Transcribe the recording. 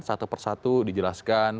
satu per satu dijelaskan